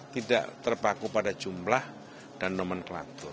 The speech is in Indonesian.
tidak terpaku pada jumlah dan nomenklatur